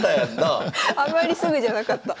あんまりすぐじゃなかった。